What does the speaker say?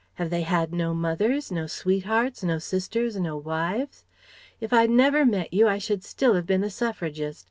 Have they had no mothers, no sweethearts, no sisters, no wives? If I'd never met you I should still have been a Suffragist.